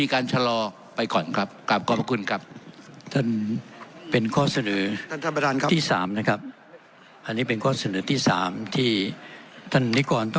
ก่อนเรียนถามว่าหรือเสนอไปรอย